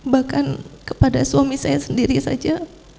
bahkan kepada suami saya sendiri saja